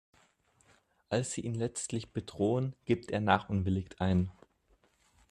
Als sie ihn letztlich bedrohen, gibt er nach und willigt ein.